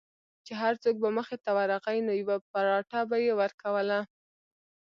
چې هر څوک به مخې ته ورغی نو یوه پراټه به یې ورکوله.